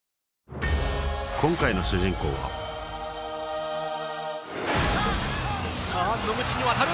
今回の主人公はさぁ野口に渡る。